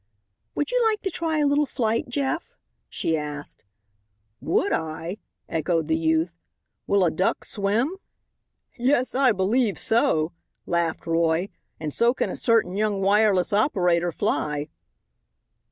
"Would you like to try a little flight, Jeff?" she asked. "Would I?" echoed the youth; "will a duck swim?" "Yes, I believe so," laughed Roy, "and so can a certain young wireless operator fly."